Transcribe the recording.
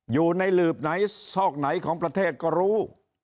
อยู่ในหลืบไหนซอกไหนของประเทศก็รู้